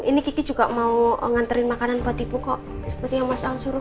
ini kiki juga mau nganterin makanan buat ibu kok seperti yang mas al suruh